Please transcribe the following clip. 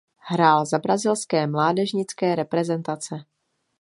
Hrál za brazilské mládežnické reprezentace.